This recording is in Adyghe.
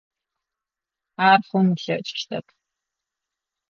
Ар хъун ылъэкӏыщтэп.